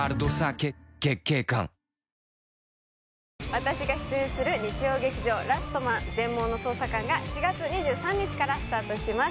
私が出演する日曜劇場「ラストマン全盲の捜査官」が４月２３日からスタートします